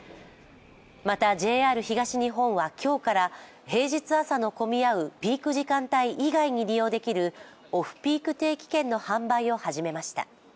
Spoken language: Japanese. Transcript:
またＪＲ東日本は今日から平日朝の混み合うピーク時間帯以外に利用できるオフピーク定期券の販売を始めました。